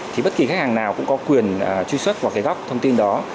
thì bất kỳ khách hàng nào cũng có quyền truy xuất vào cái góc thông tin đó